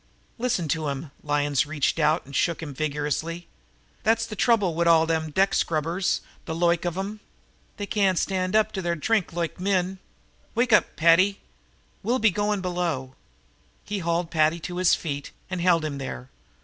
"Listen to 'im!" Lyons reached over and shook him vigorously. "That's the throuble wid all thim lazy, deck scrubbers the loike av 'im. They can't stand up to their dhrink loike men. Wake up, Paddy! We'll be goin' below." He hauled Paddy to his feet and held him there.